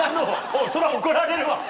おうそりゃ怒られるわ。